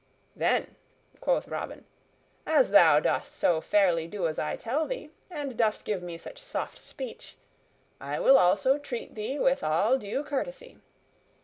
"Then," quoth Robin, "as thou dost so fairly do as I tell thee, and dost give me such soft speech, I will also treat thee with all due courtesy.